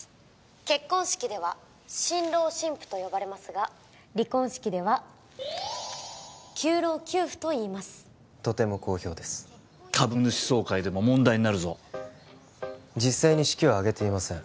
結婚式では新郎新婦と呼ばれますが離婚式では旧郎旧婦といいますとても好評です株主総会でも問題になるぞ実際に式は挙げていません